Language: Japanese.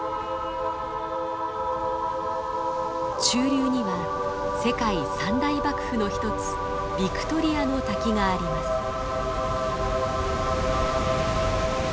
中流には世界三大瀑布の一つヴィクトリアの滝があります。